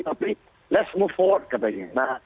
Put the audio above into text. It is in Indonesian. but let's move forward katanya